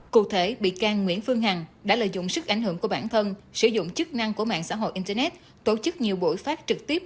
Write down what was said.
cụ thể bị can nguyễn phương hằng đã lợi dụng sức ảnh hưởng của bản thân sử dụng chức năng của mạng xã hội internet tổ chức nhiều buổi phát trực tiếp